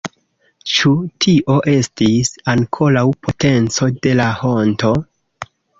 Ĉu tio estis ankoraŭ potenco de la honto?